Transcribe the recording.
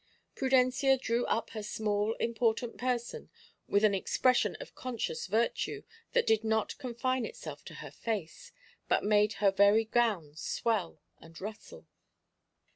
Prudencia drew up her small important person with an expression of conscious virtue that did not confine itself to her face, but made her very gown swell and rustle.